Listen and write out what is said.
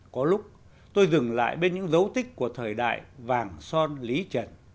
có lúc tôi dừng lại bên những dấu tích của thời đại vàng son lý trần